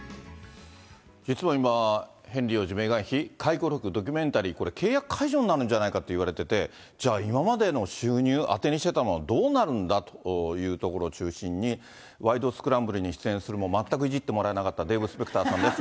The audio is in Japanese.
実は今、ヘンリー王子、メーガン妃、回顧録、ドキュメンタリー、これ、契約解除になるんじゃないかといわれてて、じゃあ、今までの収入、当てにしてたのはどうなるんだというところを中心に、ワイドスクランブルに出演するも、全くいじってもらえなかったデーブ・スペクターさんです。